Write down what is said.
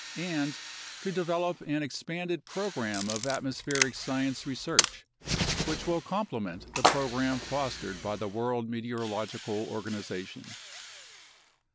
," and "to develop an expanded program of atmospheric science research which will com plement the program fostered by the World Meteorological Organization."